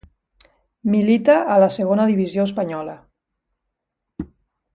Milita a la Segona Divisió espanyola.